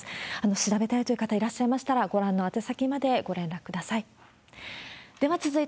調べたいという方いらっしゃいましたら、ご覧の宛先までご連絡ください。